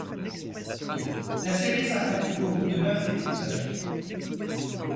La série s'arrête au bout de neuf épisodes.